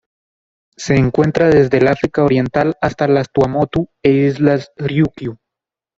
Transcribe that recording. Se encuentra desde el África Oriental hasta las Tuamotu e Islas Ryukyu.